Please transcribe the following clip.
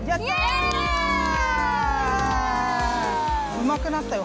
うまくなったよ